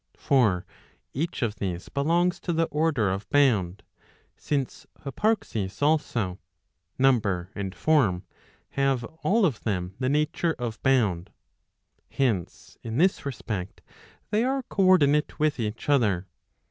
For each of these belongs to the order of bound; since hyparxis also, number and form, have all of them the nature of bound. Hence, in this respect they are co ordinate with each other.